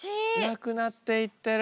なくなっていってる！